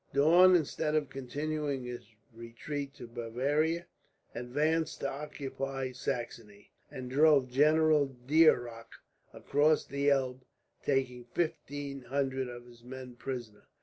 Daun, instead of continuing his retreat to Bavaria, advanced to occupy Saxony; and drove General Dierocke across the Elbe, taking fifteen hundred of his men prisoners.